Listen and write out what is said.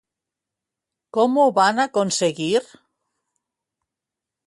Com ho van aconseguir?